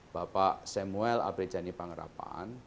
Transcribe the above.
bapak samuel abrejani pangerapan